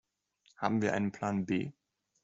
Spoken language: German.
Haben wir einen Plan B?